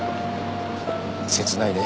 切ないね。